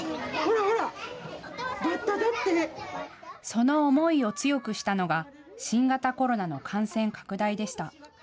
その思いを強くしたのが新型コロナの感染拡大でした。